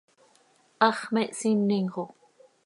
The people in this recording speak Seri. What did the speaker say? ¡Hax me hsinim xo!